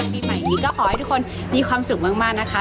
ปีใหม่นี้ก็ขอให้ทุกคนมีความสุขมากนะคะ